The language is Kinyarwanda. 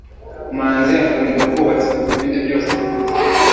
manzi akunda ubwubatsi kuruta ibindi byose kwisi